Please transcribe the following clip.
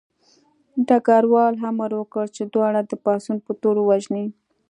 ډګروال امر وکړ چې دواړه د پاڅون په تور ووژني